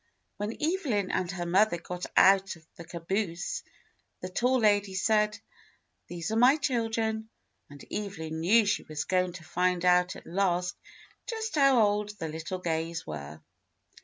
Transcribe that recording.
When Evelyn and her mother got out of the ca boose, the tall lady said, "These are my children," and Evelyn knew she was going to find out at last just how old the little Gays were.